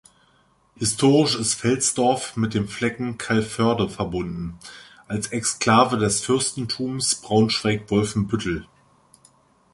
Historisch ist Velsdorf mit dem Flecken Calvörde verbunden, als Exklave des Fürstentums Braunschweig-Wolfenbüttel.